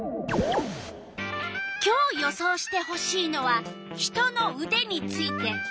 今日予想してほしいのは人のうでについて。